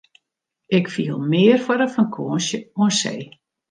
Ik fiel mear foar in fakânsje oan see.